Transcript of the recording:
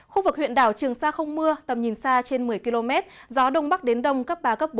khu vực huyện đảo trường sa không mưa tầm nhìn xa trên một mươi km gió đông bắc đến đông cấp ba bốn